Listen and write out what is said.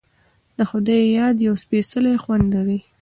د خدای یاد یو سپیڅلی خوند لري.